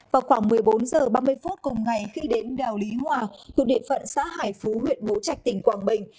vào khoảng một mươi bốn h ba mươi phút cùng ngày khi đến đèo lý hòa thuộc địa phận xã hải phú huyện bố trạch tỉnh quảng bình